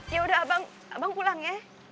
yaudah abang abang pulang ya